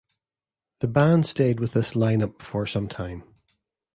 The band stayed with this line-up for some time.